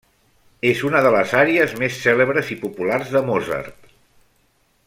És una de les àries més cèlebres i populars de Mozart.